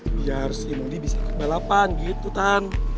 biar si mondi bisa ikut balapan gitu tan